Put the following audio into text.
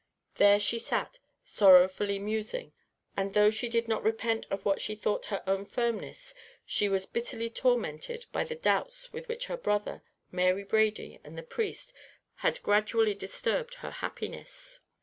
There she sat, sorrowfully musing; and though she did not repent of what she thought her own firmness, she was bitterly tormented by the doubts with which her brother, Mary Brady, and the priest, had gradually disturbed her happiness.